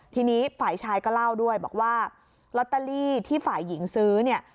ทีนี้ฝ่ายชายก็เล่าด้วยบอกว่าลอตเตอรี่ที่ฝ่ายหญิงซื้อเนี่ย